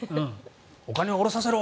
お金を下ろさせろ！